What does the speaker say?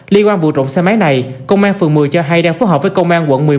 liên quan vụ trộm xe máy này công an phường một mươi cho hay đang phối hợp với công an quận một mươi một